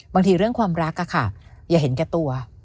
บางทีเรื่องความรักอะค่ะอย่าเห็นแก่ตัว